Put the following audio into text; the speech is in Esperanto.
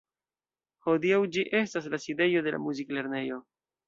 Hodiaŭ ĝi estas la sidejo de la Muziklernejo.